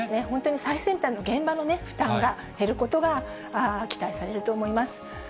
本当に最先端の現場の負担が減ることが期待されると思います。